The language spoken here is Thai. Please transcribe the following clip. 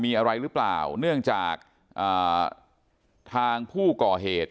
มีอะไรหรือเปล่าเนื่องจากทางผู้ก่อเหตุ